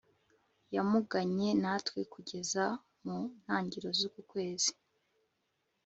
yagumanye natwe kugeza mu ntangiriro z'uku kwezi